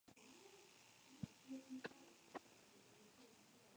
Este juicio ex ante es el relevante cuando se analiza un delito.